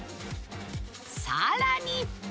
さらに。